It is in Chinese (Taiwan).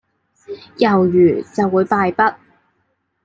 猶豫，就會敗北